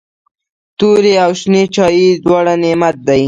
توري او شنې چايي دواړه نعمت دی.